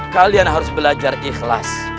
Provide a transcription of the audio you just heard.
kalian harus belajar ikhlas